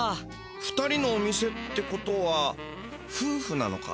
２人のお店ってことはふうふなのか？